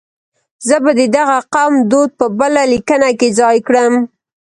زه به د دغه قوم دود په بله لیکنه کې ځای کړم.